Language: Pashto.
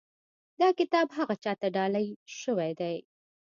دا کتاب هغه چا ته ډالۍ شوی دی.